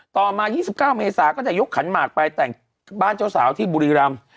ต่อมา๒๙เมษาก็จะยกขันหมากไปแต่งบ้านเจ้าสาวที่บุรีรำ